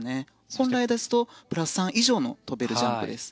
本来ですとプラス３以上跳べるジャンプンです。